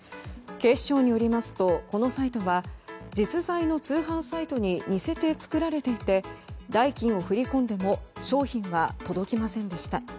警視庁によりますとこのサイトは実在の通販サイトに似せて作られていて代金を振り込んでも商品は届きませんでした。